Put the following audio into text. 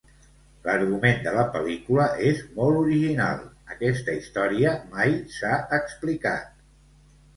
L'argument de la pel·lícula és molt original, aquesta història mai s'ha explicat.